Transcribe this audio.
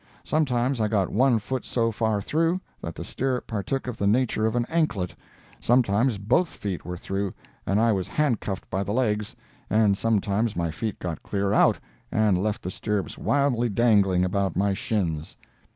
Sometimes I got one foot so far through, that the stirrup partook of the nature of an anklet—sometimes both feet were through and I was handcuffed by the legs and some times my feet got clear out and left the stirrups wildly dangling about my shins.